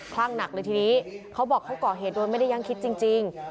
่งหนักเลยทีนี้เขาบอกเขาก่อเหตุโดยไม่ได้ยังคิดจริง